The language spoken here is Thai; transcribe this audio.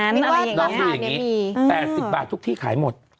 น้องดูอย่างนี้๘๐บาททุกที่ขายหมด